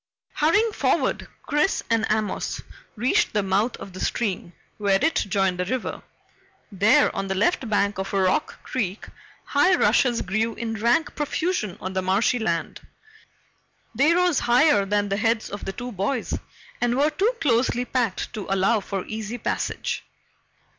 Hurrying forward, Chris and Amos reached the mouth of the stream where it joined the river. There on the left bank of Rock Creek, high rushes grew in rank profusion on the marshy land. They rose higher than the heads of the two boys and were too closely packed to allow for easy passage.